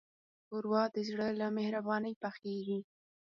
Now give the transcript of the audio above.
ښوروا د زړه له مهربانۍ پخیږي.